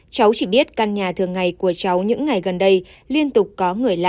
cháu chỉ biết căn nhà thường ngày của cháu những ngày gần đây liên tục có người lạ